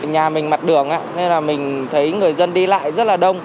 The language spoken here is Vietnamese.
nhà mình mặt đường nên là mình thấy người dân đi lại rất là đông